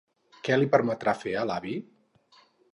Què li permetrà fer a l'avi?